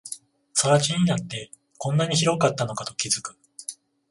更地になって、こんなに広かったのかと気づく